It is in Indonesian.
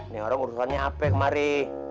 nih orang urusannya apa ya kemari